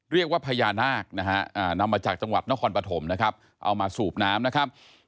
เรียกว่าพญานาคนะฮะนำมาจากจังหวัดนครปฐมนะครับเอามาสูบน้ำนะครับ